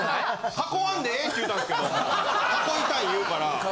囲わんでええって言うたんですけど囲いたい言うから。